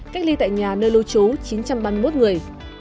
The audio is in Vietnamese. cách ly tại nhà nơi lưu trú chín trăm ba mươi một người